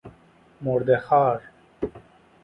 مرده خوار